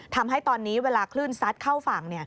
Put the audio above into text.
ทำให้ตอนนี้เวลาคลื่นซัดเข้าฝั่ง